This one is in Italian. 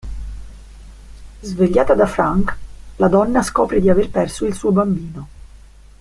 Svegliata da Frank, la donna scopre di aver perso il suo bambino.